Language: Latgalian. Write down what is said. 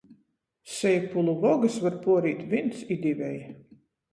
Seipulu vogys var puorīt vīns i diveji.